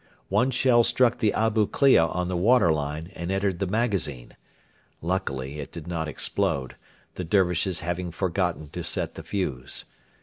One shell struck the Abu Klea on the water line, and entered the magazine. Luckily it did not explode, the Dervishes having forgotten to set the fuse.